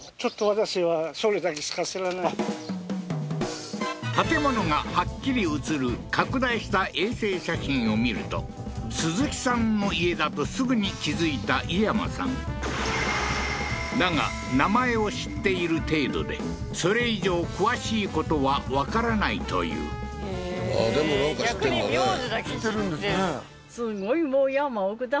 うん建物がはっきり写る拡大した衛星写真を見るとスズキさんの家だとすぐに気づいた伊山さんだが名前を知っている程度でそれ以上詳しい事は分からないというへえーでもなんか知ってんだね知ってるんですね